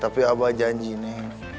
tapi abah janji bro